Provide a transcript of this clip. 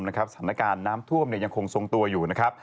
สถานการณ์น้ำท่วมยังคงทรงตัวอยู่นะครับ